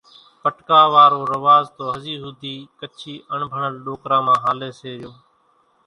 پٽڪا وارو رواز تو هزِي ۿوُڌِي ڪڇِي اڻڀڻل ڏوڪران مان هاليَ سي ريو۔